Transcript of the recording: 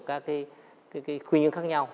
các cái khuyên hướng khác nhau